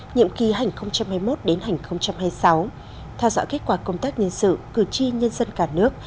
nhiệm kỳ hai nghìn hai mươi một hai nghìn hai mươi sáu theo dõi kết quả công tác nhân sự cử tri nhân dân cả nước